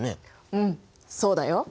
うんそうだよ。